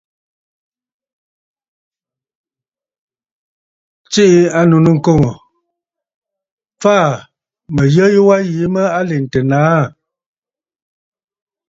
Tsiʼì ànnù nɨ̂ŋkoŋ, faà mə̀ yə yu wa yìi mə lèntə nàâ.